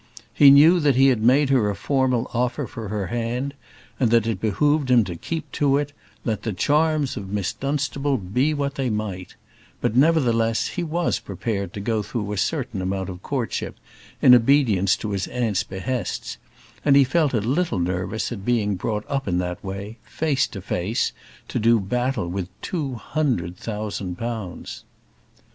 He knew that he had made her a formal offer for her hand, and that it behoved him to keep to it, let the charms of Miss Dunstable be what they might; but, nevertheless, he was prepared to go through a certain amount of courtship, in obedience to his aunt's behests, and he felt a little nervous at being brought up in that way, face to face, to do battle with two hundred thousand pounds.